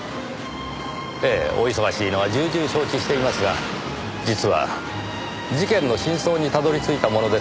ええお忙しいのは重々承知していますが実は事件の真相にたどり着いたものですから。